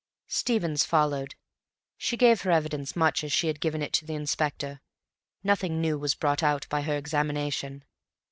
Stevens followed. She gave her evidence much as she had given it to the Inspector. Nothing new was brought out by her examination.